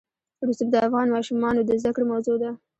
رسوب د افغان ماشومانو د زده کړې موضوع ده.